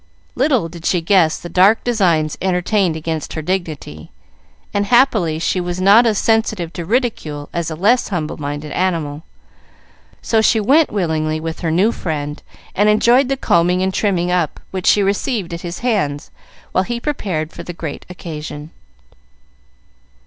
Little did she guess the dark designs entertained against her dignity, and happily she was not as sensitive to ridicule as a less humble minded animal, so she went willingly with her new friend, and enjoyed the combing and trimming up which she received at his hands, while he prepared for the great occasion.